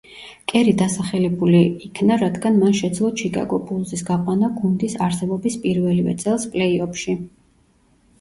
კერი დასახელებული იქნა, რადგან მან შეძლო ჩიკაგო ბულზის გაყვანა გუნდის არსებობის პირველივე წელს პლეი-ოფში.